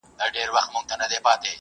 مسؤليت منونکي اوسئ.